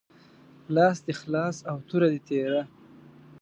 لاس دي خلاص او توره دي تیره